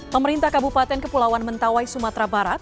pemerintah kabupaten kepulauan mentawai sumatera barat